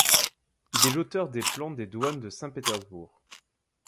Il est l'auteur des plans des douanes de Saint-Pétersbourg.